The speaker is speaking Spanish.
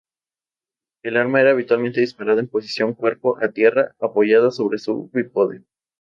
El arma era habitualmente disparada en posición cuerpo a tierra, apoyada sobre su bípode.